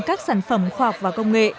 các sản phẩm khoa học và công nghệ